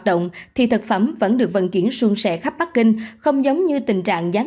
giao hàng thì thực phẩm vẫn được vận chuyển suôn sẻ khắp bắc kinh không giống như tình trạng gián